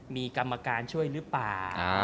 มีกรรมการช่วยหรือเปล่า